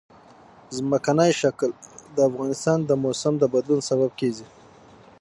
ځمکنی شکل د افغانستان د موسم د بدلون سبب کېږي.